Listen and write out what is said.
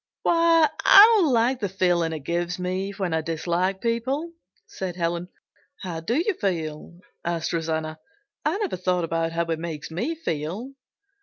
"Why, I don't like the feeling it gives me when I dislike people," said Helen. "How do you feel?" asked Rosanna. "I never thought about how it makes me feel."